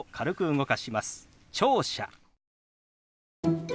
「聴者」。